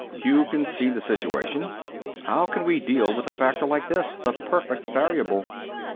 "You can see the situation. How can we deal with a factor like this? The perfect variable."